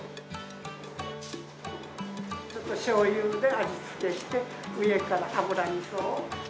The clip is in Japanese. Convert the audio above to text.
ちょっとしょうゆで味付けして上から油みそを。